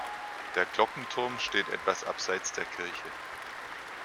Der Glockenturm steht etwas abseits der Kirche.